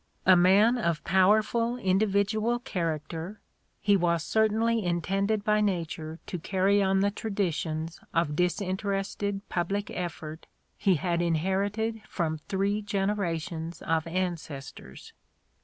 A man of powerful individual character, he was certainly intended by nature to carry on the traditions of dis interested public effort he had inherited from three generations of ancestors.